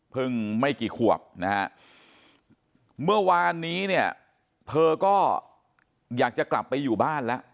ไม่กี่ขวบนะฮะเมื่อวานนี้เนี่ยเธอก็อยากจะกลับไปอยู่บ้านแล้ว